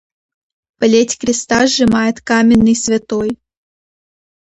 Плеть креста сжимает каменный святой.